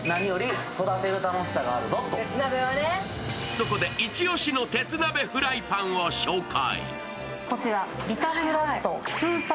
そこでイチ押しの鉄鍋フライパンを紹介。